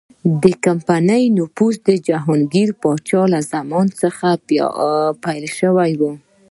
د کمپنۍ نفوذ د جهانګیر پاچا له زمانې څخه پیل شوی و.